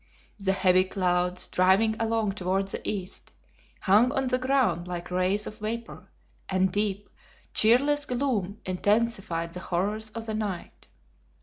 The heavy clouds, driving along toward the east, hung on the ground like rays of vapor, and deep, cheerless gloom intensified the horrors of the night.